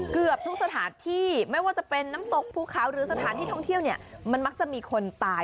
เกือบทุกสถานที่ไม่ว่าจะเป็นน้ำตกภูเขาหรือสถานที่ท่องเที่ยวเนี่ยมันมักจะมีคนตาย